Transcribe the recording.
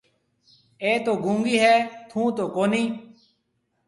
اَي تو گُونگِي هيَ ٿُون تو ڪونِي۔